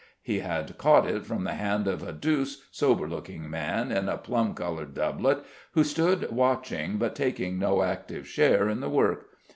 He had caught it from the hand of a douce, sober looking man in a plum coloured doublet, who stood watching but taking no active share in the work.